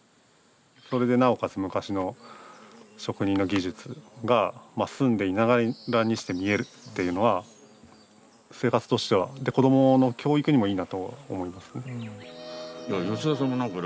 それでなおかつ昔の職人の技術が住んでいながらにして見えるというのは生活としては子どもの教育にもいいなと思います。